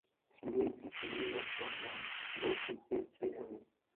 Siwezi kulima shamba lote pekee yangu